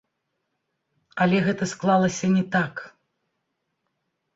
Але гэта склалася не так.